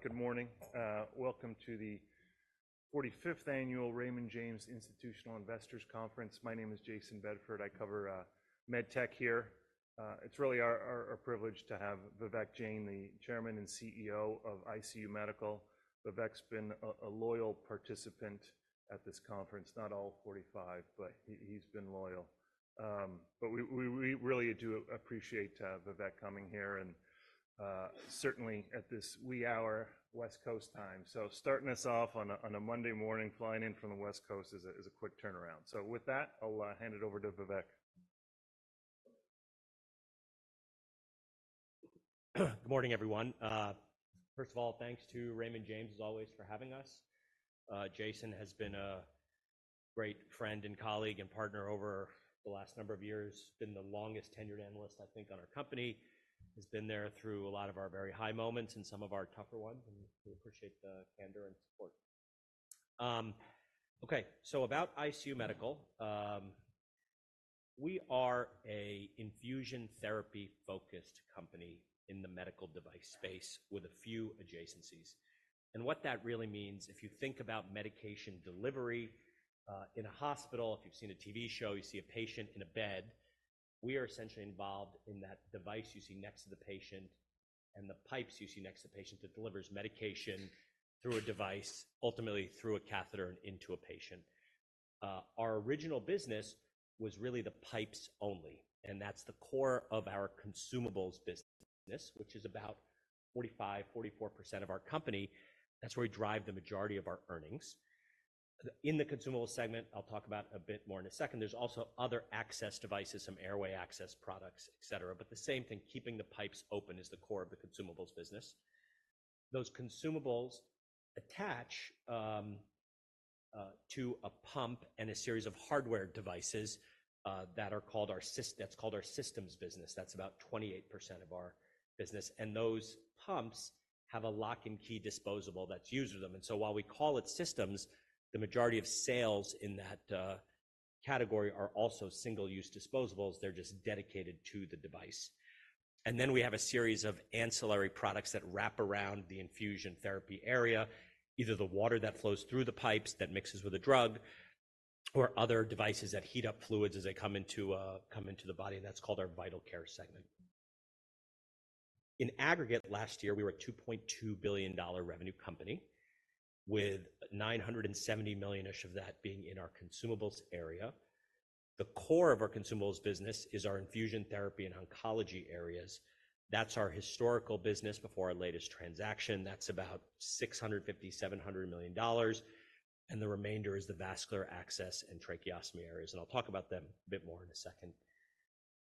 Good morning. Welcome to the 45th annual Raymond James Institutional Investors Conference. My name is Jayson Bedford. I cover med tech here. It's really our privilege to have Vivek Jain, the Chairman and CEO of ICU Medical. Vivek's been a loyal participant at this conference. Not all 45, but he's been loyal. But we really do appreciate Vivek coming here and certainly at this wee hour West Coast time. So starting us off on a Monday morning flying in from the West Coast is a quick turnaround. So with that, I'll hand it over to Vivek. Good morning, everyone. First of all, thanks to Raymond James, as always, for having us. Jayson has been a great friend and colleague and partner over the last number of years. Been the longest tenured analyst, I think, on our company. Has been there through a lot of our very high moments and some of our tougher ones. We appreciate the candor and support. Okay. So about ICU Medical, we are an infusion therapy-focused company in the medical device space with a few adjacencies. And what that really means, if you think about medication delivery in a hospital, if you've seen a TV show, you see a patient in a bed, we are essentially involved in that device you see next to the patient and the pipes you see next to the patient that delivers medication through a device, ultimately through a catheter and into a patient. Our original business was really the pipes only. That's the core of our consumables business, which is about 45%-44% of our company. That's where we drive the majority of our earnings. In the consumables segment, I'll talk about a bit more in a second. There's also other access devices, some airway access products, etc. The same thing, keeping the pipes open is the core of the consumables business. Those consumables attach to a pump and a series of hardware devices that are called our systems business. That's about 28% of our business. Those pumps have a lock-and-key disposable that's used with them. So while we call it systems, the majority of sales in that category are also single-use disposables. They're just dedicated to the device. And then we have a series of ancillary products that wrap around the infusion therapy area, either the water that flows through the pipes that mixes with a drug or other devices that heat up fluids as they come into the body. That's called our vital care segment. In aggregate, last year, we were a $2.2 billion revenue company, with $970 million-ish of that being in our consumables area. The core of our consumables business is our infusion therapy and oncology areas. That's our historical business before our latest transaction. That's about $650-$700 million. The remainder is the vascular access and tracheostomy areas. I'll talk about them a bit more in a second.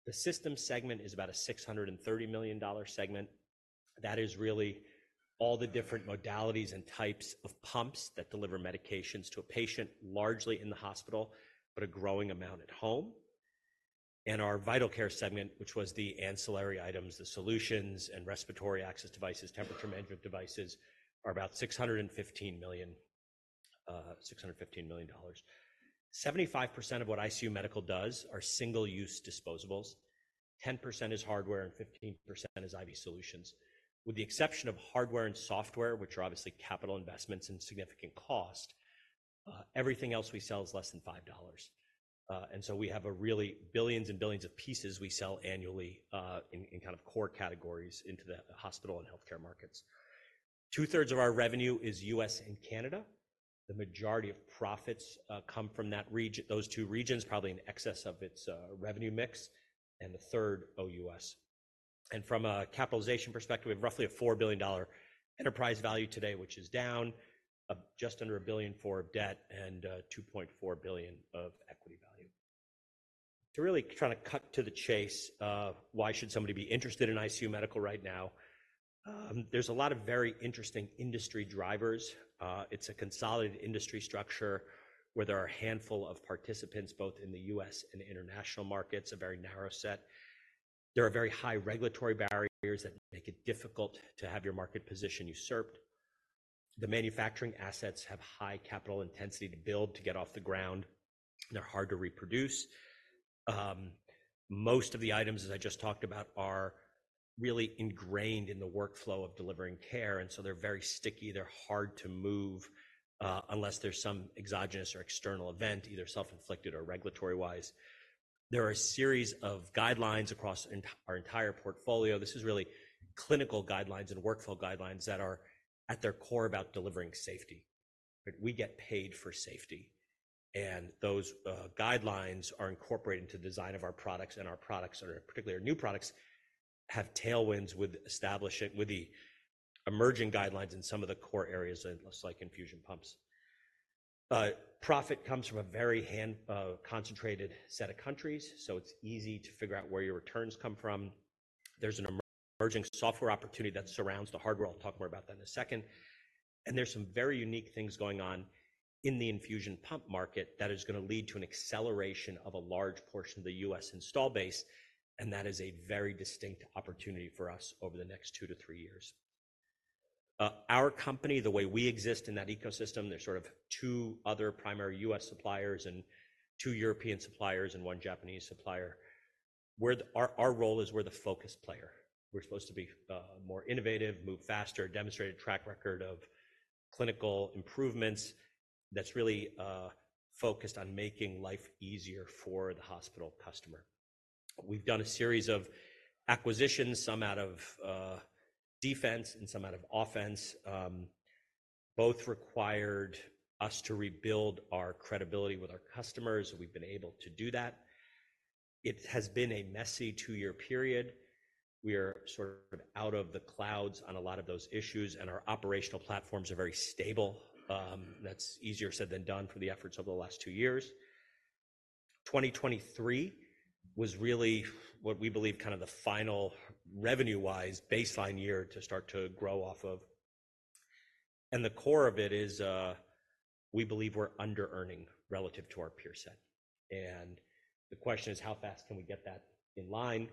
The systems segment is about a $630 million segment. That is really all the different modalities and types of pumps that deliver medications to a patient, largely in the hospital, but a growing amount at home. And our vital care segment, which was the ancillary items, the solutions, and respiratory access devices, temperature management devices, are about $615 million. $615 million. 75% of what ICU Medical does are single-use disposables. 10% is hardware and 15% is IV solutions. With the exception of hardware and software, which are obviously capital investments and significant cost, everything else we sell is less than $5. And so we have really billions and billions of pieces we sell annually in kind of core categories into the hospital and healthcare markets. Two-thirds of our revenue is U.S. and Canada. The majority of profits come from those two regions, probably in excess of its revenue mix, and a third OUS. From a capitalization perspective, we have roughly a $4 billion enterprise value today, which is down, just under $1 billion for debt and $2.4 billion of equity value. To really try to cut to the chase, why should somebody be interested in ICU Medical right now? There's a lot of very interesting industry drivers. It's a consolidated industry structure where there are a handful of participants both in the U.S. and international markets, a very narrow set. There are very high regulatory barriers that make it difficult to have your market position usurped. The manufacturing assets have high capital intensity to build, to get off the ground, and they're hard to reproduce. Most of the items, as I just talked about, are really ingrained in the workflow of delivering care. And so they're very sticky. They're hard to move unless there's some exogenous or external event, either self-inflicted or regulatory-wise. There are a series of guidelines across our entire portfolio. This is really clinical guidelines and workflow guidelines that are at their core about delivering safety. We get paid for safety. And those guidelines are incorporated into the design of our products. And our products, particularly our new products, have tailwinds with the emerging guidelines in some of the core areas, like infusion pumps. Profit comes from a very concentrated set of countries. So it's easy to figure out where your returns come from. There's an emerging software opportunity that surrounds the hardware. I'll talk more about that in a second. And there's some very unique things going on in the infusion pump market that is going to lead to an acceleration of a large portion of the U.S. install base. That is a very distinct opportunity for us over the next two to three years. Our company, the way we exist in that ecosystem, there's sort of two other primary U.S. suppliers and two European suppliers and one Japanese supplier. Our role is we're the focus player. We're supposed to be more innovative, move faster, demonstrate a track record of clinical improvements that's really focused on making life easier for the hospital customer. We've done a series of acquisitions, some out of defense and some out of offense, both required us to rebuild our credibility with our customers. We've been able to do that. It has been a messy two-year period. We are sort of out of the clouds on a lot of those issues. Our operational platforms are very stable. That's easier said than done for the efforts over the last two years. 2023 was really what we believe kind of the final revenue-wise baseline year to start to grow off of. The core of it is we believe we're under-earning relative to our peer set. The question is, how fast can we get that in line?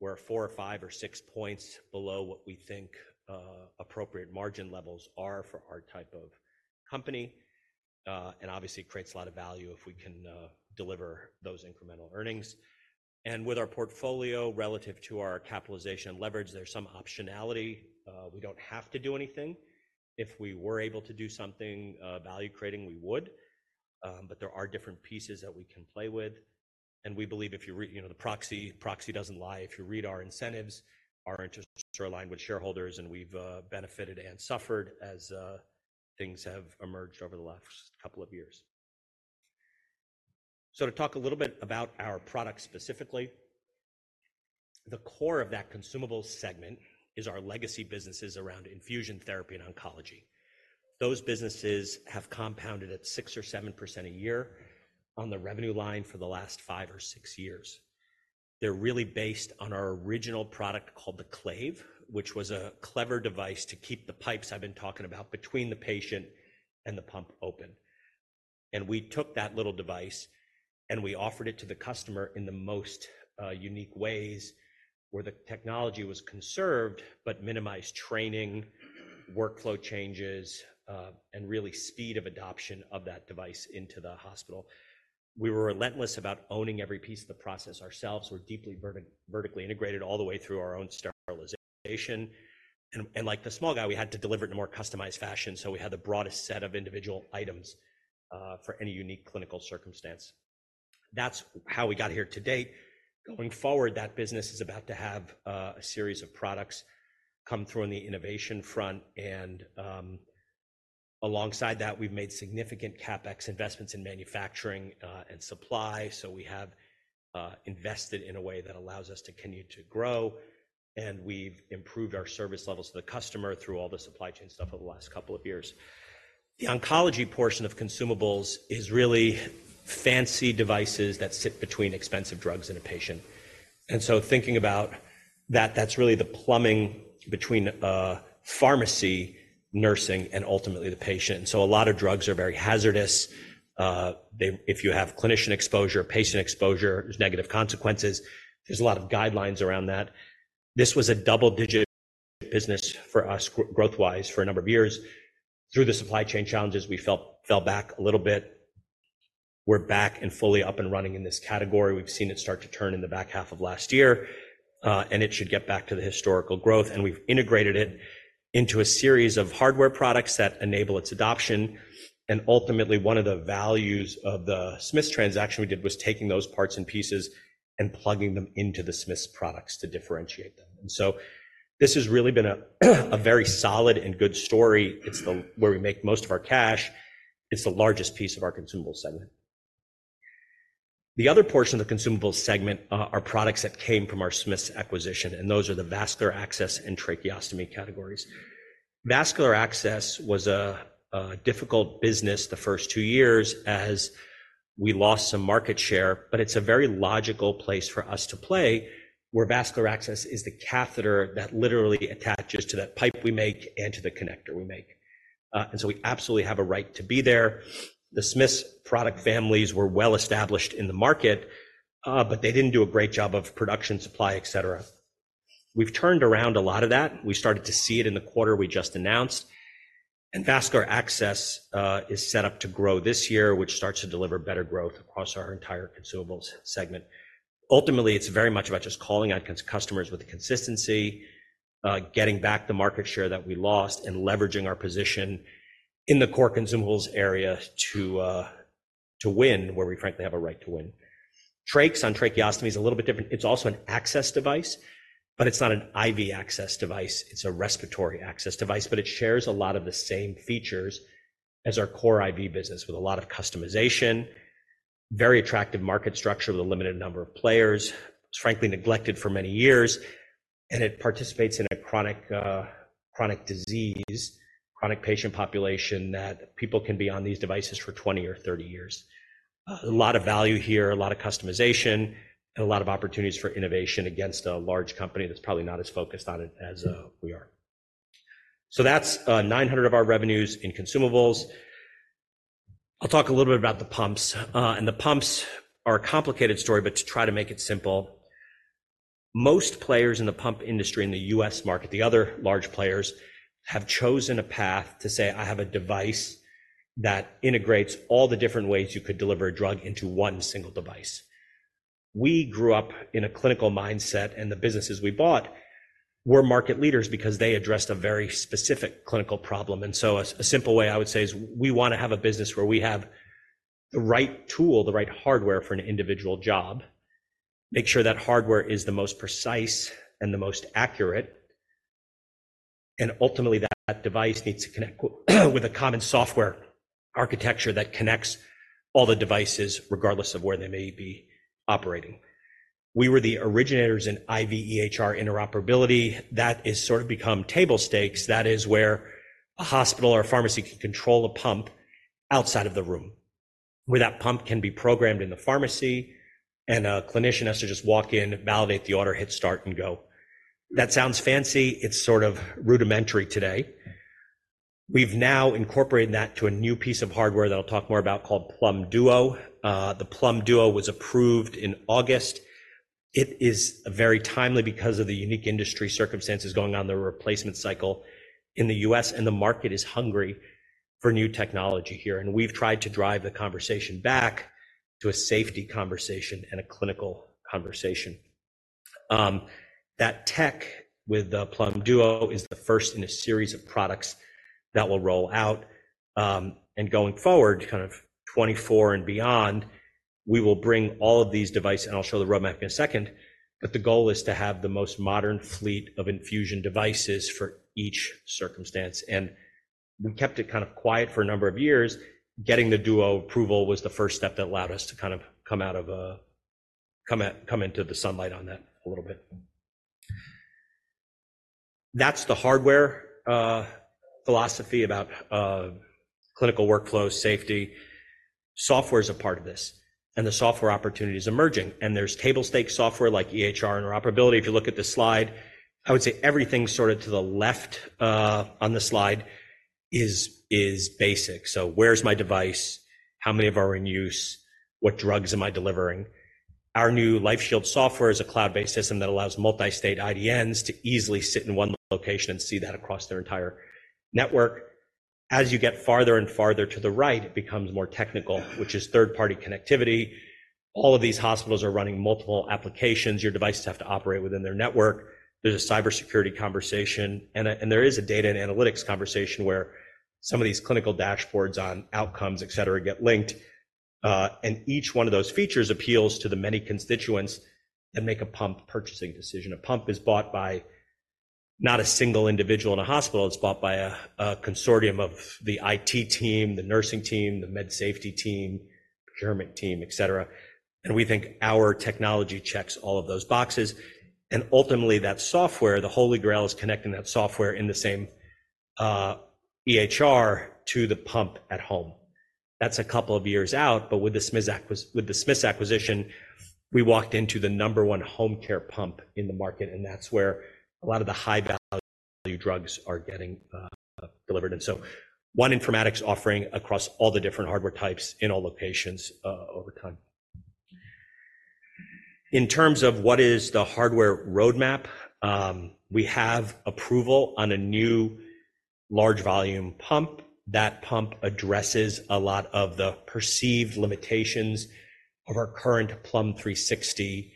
We're 4 or 5 or 6 points below what we think appropriate margin levels are for our type of company. Obviously, it creates a lot of value if we can deliver those incremental earnings. With our portfolio relative to our capitalization leverage, there's some optionality. We don't have to do anything. If we were able to do something value-creating, we would. But there are different pieces that we can play with. We believe if you read the proxy doesn't lie. If you read our incentives, our interests are aligned with shareholders. We've benefited and suffered as things have emerged over the last couple of years. To talk a little bit about our product specifically, the core of that consumables segment is our legacy businesses around infusion therapy and oncology. Those businesses have compounded at 6%-7% a year on the revenue line for the last five or six years. They're really based on our original product called the Clave, which was a clever device to keep the pipes I've been talking about between the patient and the pump open. We took that little device, and we offered it to the customer in the most unique ways where the technology was conserved but minimized training, workflow changes, and really speed of adoption of that device into the hospital. We were relentless about owning every piece of the process ourselves. We're deeply vertically integrated all the way through our own sterilization. Like the small guy, we had to deliver it in a more customized fashion. So we had the broadest set of individual items for any unique clinical circumstance. That's how we got here to date. Going forward, that business is about to have a series of products come through on the innovation front. Alongside that, we've made significant CapEx investments in manufacturing and supply. So we have invested in a way that allows us to continue to grow. We've improved our service levels to the customer through all the supply chain stuff over the last couple of years. The oncology portion of consumables is really fancy devices that sit between expensive drugs and a patient. Thinking about that, that's really the plumbing between pharmacy, nursing, and ultimately the patient. So a lot of drugs are very hazardous. If you have clinician exposure, patient exposure, there's negative consequences. There's a lot of guidelines around that. This was a double-digit business for us growth-wise for a number of years. Through the supply chain challenges, we fell back a little bit. We're back and fully up and running in this category. We've seen it start to turn in the back half of last year. It should get back to the historical growth. We've integrated it into a series of hardware products that enable its adoption. Ultimately, one of the values of the Smith transaction we did was taking those parts and pieces and plugging them into the Smiths products to differentiate them. This has really been a very solid and good story. It's where we make most of our cash. It's the largest piece of our consumables segment. The other portion of the consumables segment are products that came from our Smiths acquisition. Those are the vascular access and tracheostomy categories. Vascular access was a difficult business the first two years as we lost some market share. It's a very logical place for us to play where vascular access is the catheter that literally attaches to that pipe we make and to the connector we make. So we absolutely have a right to be there. The Smiths product families were well established in the market, but they didn't do a great job of production, supply, etc. We've turned around a lot of that. We started to see it in the quarter we just announced. Vascular access is set up to grow this year, which starts to deliver better growth across our entire consumables segment. Ultimately, it's very much about just calling on customers with consistency, getting back the market share that we lost, and leveraging our position in the core consumables area to win where we, frankly, have a right to win. Trachs on tracheostomy is a little bit different. It's also an access device, but it's not an IV access device. It's a respiratory access device. But it shares a lot of the same features as our core IV business with a lot of customization, very attractive market structure with a limited number of players, frankly, neglected for many years. And it participates in a chronic disease, chronic patient population that people can be on these devices for 20 or 30 years. A lot of value here, a lot of customization, and a lot of opportunities for innovation against a large company that's probably not as focused on it as we are. So that's 90% of our revenues in consumables. I'll talk a little bit about the pumps. The pumps are a complicated story, but to try to make it simple, most players in the pump industry in the U.S. market, the other large players, have chosen a path to say, "I have a device that integrates all the different ways you could deliver a drug into one single device." We grew up in a clinical mindset. The businesses we bought were market leaders because they addressed a very specific clinical problem. So a simple way I would say is we want to have a business where we have the right tool, the right hardware for an individual job, make sure that hardware is the most precise and the most accurate. Ultimately, that device needs to connect with a common software architecture that connects all the devices regardless of where they may be operating. We were the originators in IV-EHR interoperability. That has sort of become table stakes. That is where a hospital or a pharmacy can control a pump outside of the room, where that pump can be programmed in the pharmacy, and a clinician has to just walk in, validate the order, hit start, and go. That sounds fancy. It's sort of rudimentary today. We've now incorporated that to a new piece of hardware that I'll talk more about called Plum Duo. The Plum Duo was approved in August. It is very timely because of the unique industry circumstances going on, the replacement cycle in the U.S. The market is hungry for new technology here. We've tried to drive the conversation back to a safety conversation and a clinical conversation. That tech with the Plum Duo is the first in a series of products that will roll out. Going forward, kind of 2024 and beyond, we will bring all of these devices, and I'll show the roadmap in a second. But the goal is to have the most modern fleet of infusion devices for each circumstance. We kept it kind of quiet for a number of years. Getting the Duo approval was the first step that allowed us to kind of come out of a come into the sunlight on that a little bit. That's the hardware philosophy about clinical workflows, safety. Software is a part of this. The software opportunity is emerging. There's table stakes software like EHR interoperability. If you look at the slide, I would say everything sort of to the left on the slide is basic. So where's my device? How many of ours are in use? What drugs am I delivering? Our new LifeShield software is a cloud-based system that allows multi-state IDNs to easily sit in one location and see that across their entire network. As you get farther and farther to the right, it becomes more technical, which is third-party connectivity. All of these hospitals are running multiple applications. Your devices have to operate within their network. There's a cybersecurity conversation. And there is a data and analytics conversation where some of these clinical dashboards on outcomes, etc., get linked. And each one of those features appeals to the many constituents that make a pump purchasing decision. A pump is bought by not a single individual in a hospital. It's bought by a consortium of the IT team, the nursing team, the med safety team, procurement team, etc. We think our technology checks all of those boxes. Ultimately, that software, the Holy Grail is connecting that software in the same EHR to the pump at home. That's a couple of years out. With the Smith acquisition, we walked into the number one home care pump in the market. That's where a lot of the high-value drugs are getting delivered. One informatics offering across all the different hardware types in all locations over time. In terms of what is the hardware roadmap, we have approval on a new large-volume pump. That pump addresses a lot of the perceived limitations of our current Plum 360.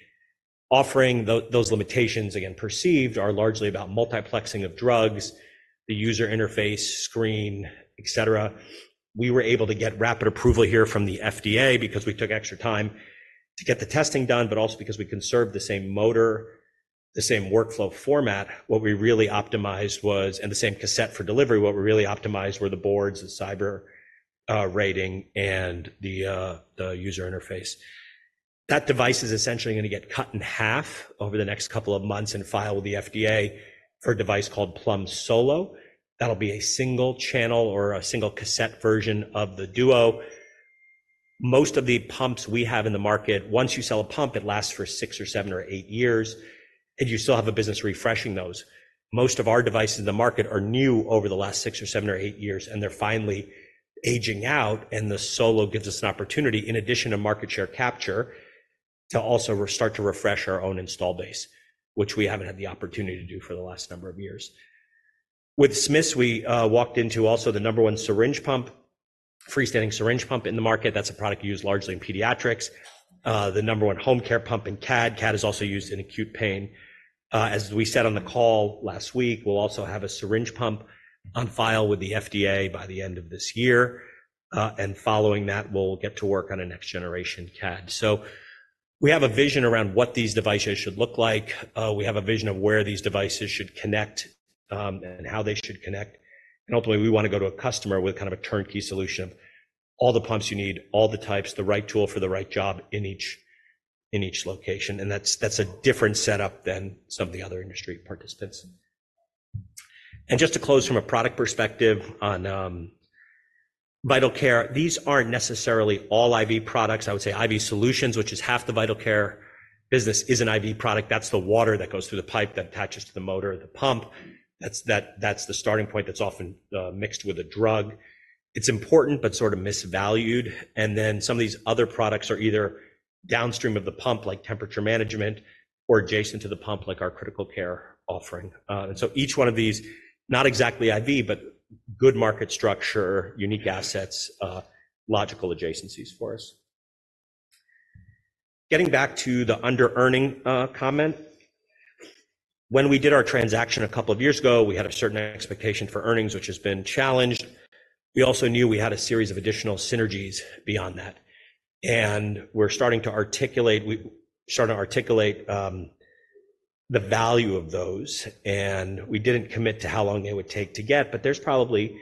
Offering those limitations, again, perceived, are largely about multiplexing of drugs, the user interface, screen, etc. We were able to get rapid approval here from the FDA because we took extra time to get the testing done, but also because we conserved the same motor, the same workflow format. What we really optimized was and the same cassette for delivery. What we really optimized were the boards, the cyber rating, and the user interface. That device is essentially going to get cut in half over the next couple of months and file with the FDA for a device called Plum Solo. That'll be a single channel or a single cassette version of the Duo. Most of the pumps we have in the market, once you sell a pump, it lasts for six or seven or eight years. And you still have a business refreshing those. Most of our devices in the market are new over the last six or seven or eight years. They're finally aging out. The Solo gives us an opportunity, in addition to market share capture, to also start to refresh our own install base, which we haven't had the opportunity to do for the last number of years. With Smiths, we walked into also the number one syringe pump, freestanding syringe pump in the market. That's a product used largely in pediatrics. The number one home care pump in CAD. CAD is also used in acute pain. As we said on the call last week, we'll also have a syringe pump on file with the FDA by the end of this year. And following that, we'll get to work on a next-generation CADD. We have a vision around what these devices should look like. We have a vision of where these devices should connect and how they should connect. Ultimately, we want to go to a customer with kind of a turnkey solution of all the pumps you need, all the types, the right tool for the right job in each location. That's a different setup than some of the other industry participants. Just to close from a product perspective on vital care, these aren't necessarily all IV products. I would say IV solutions, which is half the vital care business, is an IV product. That's the water that goes through the pipe that attaches to the motor or the pump. That's the starting point that's often mixed with a drug. It's important but sort of misvalued. Then some of these other products are either downstream of the pump, like temperature management, or adjacent to the pump, like our critical care offering. So each one of these, not exactly IV, but good market structure, unique assets, logical adjacencies for us. Getting back to the under-earning comment, when we did our transaction a couple of years ago, we had a certain expectation for earnings, which has been challenged. We also knew we had a series of additional synergies beyond that. We're starting to articulate the value of those. We didn't commit to how long they would take to get. But there's probably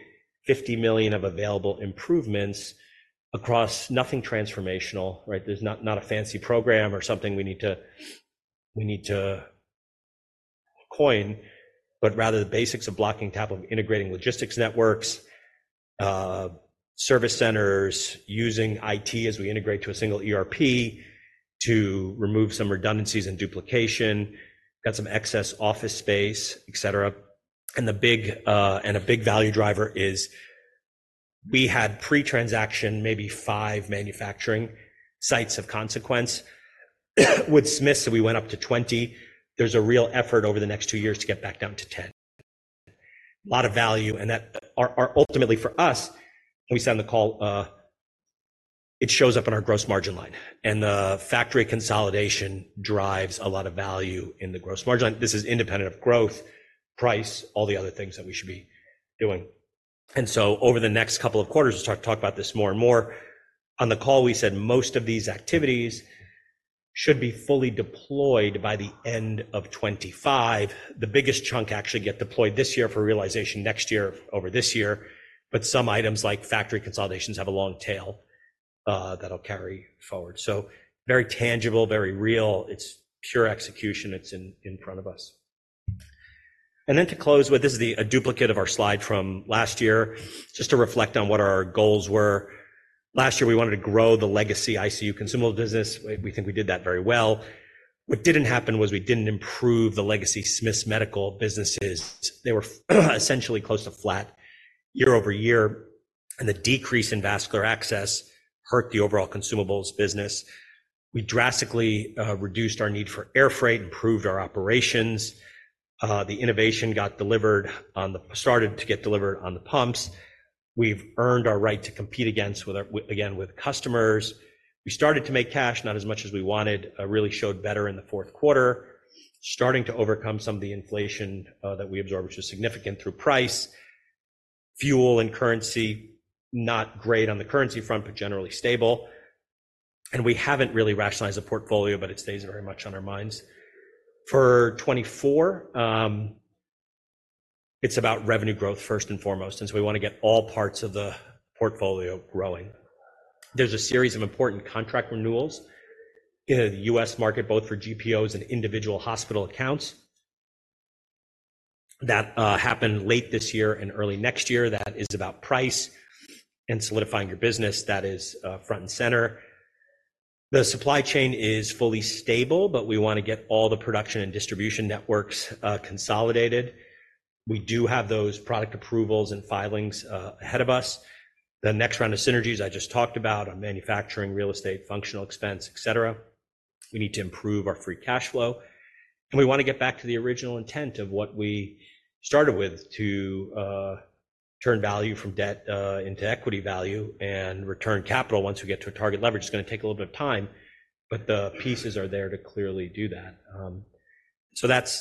$50 million of available improvements across nothing transformational, right? There's not a fancy program or something we need to coin, but rather the basics of blocking and tackling integrating logistics networks, service centers, using IT as we integrate to a single ERP to remove some redundancies and duplication, got some excess office space, etc. A big value driver is we had pre-transaction maybe five manufacturing sites of consequence. With Smith, we went up to 20. There's a real effort over the next two years to get back down to 10. A lot of value. And ultimately, for us, when we send the call, it shows up in our gross margin line. And the factory consolidation drives a lot of value in the gross margin line. This is independent of growth, price, all the other things that we should be doing. And so over the next couple of quarters, we'll talk about this more and more. On the call, we said most of these activities should be fully deployed by the end of 2025. The biggest chunk actually gets deployed this year for realization next year over this year. But some items, like factory consolidations, have a long tail that'll carry forward. So very tangible, very real. It's pure execution. It's in front of us. And then to close with, this is a duplicate of our slide from last year just to reflect on what our goals were. Last year, we wanted to grow the legacy ICU consumable business. We think we did that very well. What didn't happen was we didn't improve the legacy Smiths Medical businesses. They were essentially close to flat year-over-year. And the decrease in vascular access hurt the overall consumables business. We drastically reduced our need for air freight, improved our operations. The innovation got delivered on the started to get delivered on the pumps. We've earned our right to compete against, again, with customers. We started to make cash, not as much as we wanted, really showed better in the fourth quarter, starting to overcome some of the inflation that we absorbed, which was significant through price, fuel and currency, not great on the currency front, but generally stable. And we haven't really rationalized the portfolio, but it stays very much on our minds. For 2024, it's about revenue growth first and foremost. And so we want to get all parts of the portfolio growing. There's a series of important contract renewals in the U.S. market, both for GPOs and individual hospital accounts that happen late this year and early next year. That is about price and solidifying your business. That is front and center. The supply chain is fully stable, but we want to get all the production and distribution networks consolidated. We do have those product approvals and filings ahead of us. The next round of synergies I just talked about on manufacturing, real estate, functional expense, etc. We need to improve our free cash flow. We want to get back to the original intent of what we started with to turn value from debt into equity value and return capital once we get to a target leverage. It's going to take a little bit of time, but the pieces are there to clearly do that. So that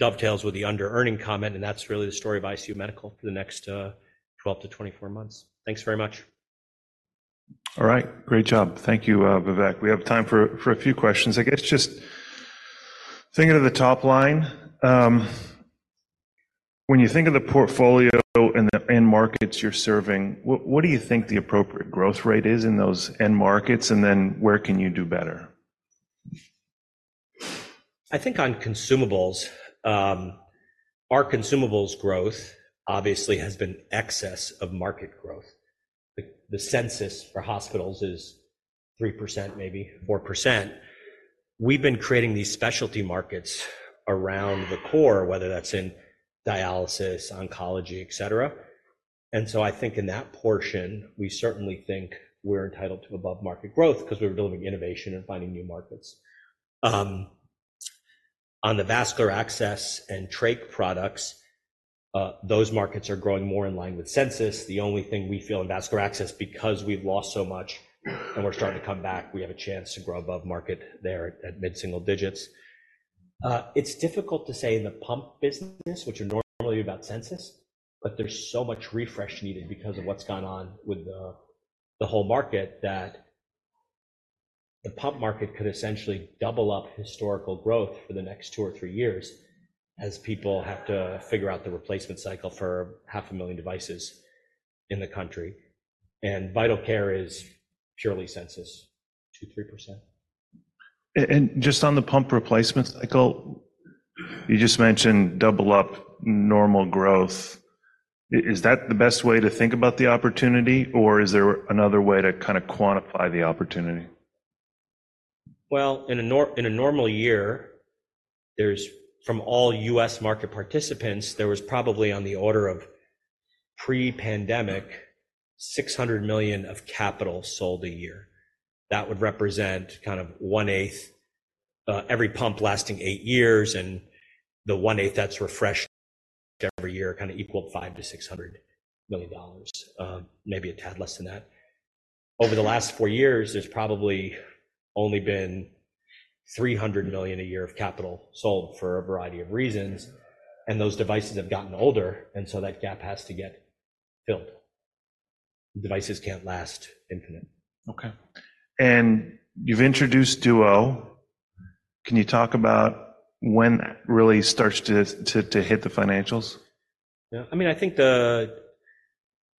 dovetails with the under-earning comment. That's really the story of ICU Medical for the next 12-24 months. Thanks very much. All right. Great job. Thank you, Vivek. We have time for a few questions. I guess just thinking of the top line, when you think of the portfolio and the end markets you're serving, what do you think the appropriate growth rate is in those end markets? And then where can you do better? I think on consumables, our consumables growth obviously has been excess of market growth. The census for hospitals is 3%, maybe 4%. We've been creating these specialty markets around the core, whether that's in dialysis, oncology, etc. And so I think in that portion, we certainly think we're entitled to above-market growth because we're delivering innovation and finding new markets. On the vascular access and trach products, those markets are growing more in line with census. The only thing we feel in vascular access, because we've lost so much and we're starting to come back, we have a chance to grow above market there at mid-single digits. It's difficult to say in the pump business, which are normally about census, but there's so much refresh needed because of what's gone on with the whole market that the pump market could essentially double up historical growth for the next two or three years as people have to figure out the replacement cycle for 500,000 devices in the country. Vital care is purely census, 2%-3%. Just on the pump replacement cycle, you just mentioned double up normal growth. Is that the best way to think about the opportunity, or is there another way to kind of quantify the opportunity? Well, in a normal year, from all US market participants, there was probably on the order of pre-pandemic, $600 million of capital sold a year. That would represent kind of one-eighth every pump lasting 8 years. And the one-eighth that's refreshed every year kind of equaled $500-$600 million, maybe a tad less than that. Over the last four years, there's probably only been $300 million a year of capital sold for a variety of reasons. And those devices have gotten older. And so that gap has to get filled. Devices can't last infinite. Okay. And you've introduced Duo. Can you talk about when that really starts to hit the financials? Yeah. I mean, I think the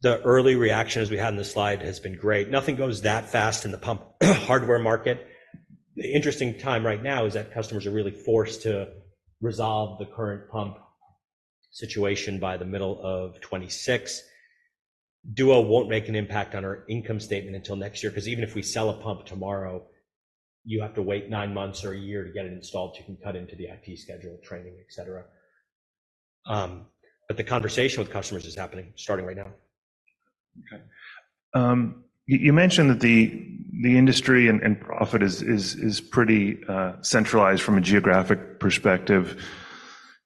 early reaction as we had on this slide has been great. Nothing goes that fast in the pump hardware market. The interesting time right now is that customers are really forced to resolve the current pump situation by the middle of 2026. Duo won't make an impact on our income statement until next year because even if we sell a pump tomorrow, you have to wait nine months or a year to get it installed so you can cut into the IT schedule, training, etc. But the conversation with customers is happening starting right now. Okay. You mentioned that the industry and profit is pretty centralized from a geographic perspective.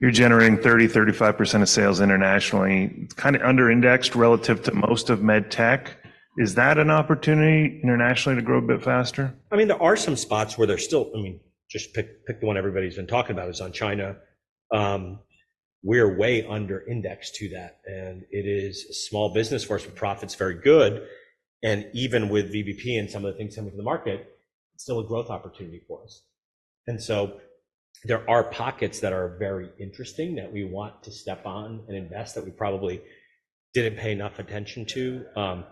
You're generating 30%-35% of sales internationally. It's kind of under-indexed relative to most of med tech. Is that an opportunity internationally to grow a bit faster? I mean, there are some spots where they're still. I mean, just pick the one everybody's been talking about is on China. We're way under-indexed to that. And it is a small business for us. Profit's very good. And even with VBP and some of the things coming from the market, it's still a growth opportunity for us. And so there are pockets that are very interesting that we want to step on and invest that we probably didn't pay enough attention to.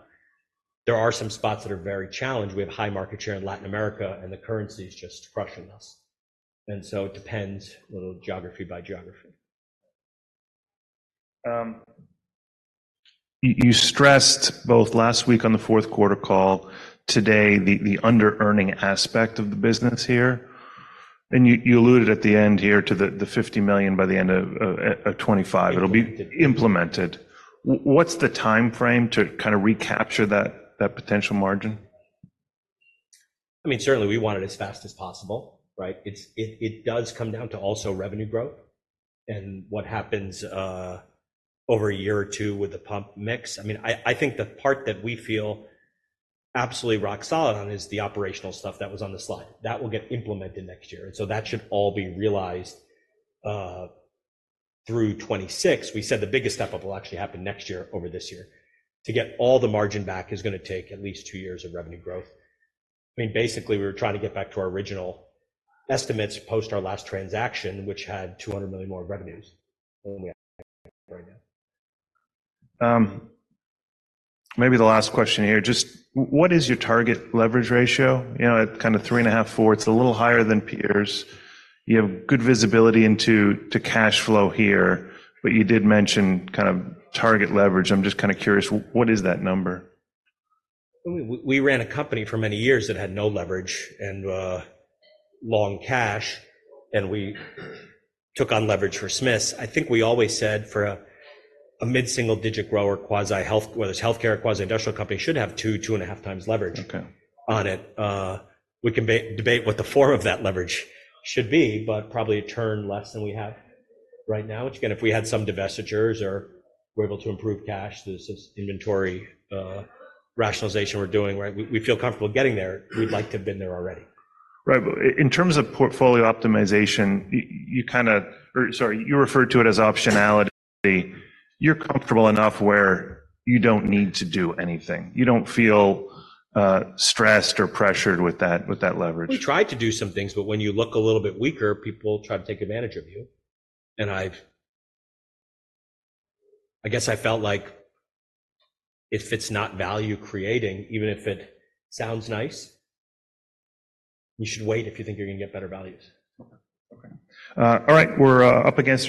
There are some spots that are very challenged. We have high market share in Latin America, and the currency is just crushing us. And so it depends a little, geography by geography. You stressed both last week on the fourth quarter call, today, the under-earning aspect of the business here. And you alluded at the end here to the $50 million by the end of 2025. It'll be implemented. What's the time frame to kind of recapture that potential margin? I mean, certainly, we want it as fast as possible, right? It does come down to also revenue growth and what happens over a year or two with the pump mix. I mean, I think the part that we feel absolutely rock solid on is the operational stuff that was on the slide. That will get implemented next year. And so that should all be realized through 2026. We said the biggest step up will actually happen next year over this year. To get all the margin back is going to take at least two years of revenue growth. I mean, basically, we were trying to get back to our original estimates post our last transaction, which had $200 million more revenues than we have right now. Maybe the last question here. Just what is your target leverage ratio? At kind of 3.5-4, it's a little higher than peers. You have good visibility into cash flow here, but you did mention kind of target leverage. I'm just kind of curious, what is that number? We ran a company for many years that had no leverage and long cash. And we took on leverage for Smith's. I think we always said for a mid-single digit grower, whether it's healthcare or quasi-industrial company, should have two, 2.5 times leverage on it. We can debate what the form of that leverage should be, but probably a turn less than we have right now, which again, if we had some divestitures or we're able to improve cash, the inventory rationalization we're doing, right? We feel comfortable getting there. We'd like to have been there already. Right. But in terms of portfolio optimization, you kind of or sorry, you referred to it as optionality. You're comfortable enough where you don't need to do anything. You don't feel stressed or pressured with that leverage. We tried to do some things, but when you look a little bit weaker, people try to take advantage of you. I guess I felt like if it's not value creating, even if it sounds nice, you should wait if you think you're going to get better values. Okay. All right. We're up against.